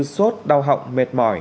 sốt đau họng mệt mỏi